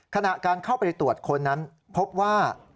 ขณะการเข้าไปตรวจค้นนั้นพบว่า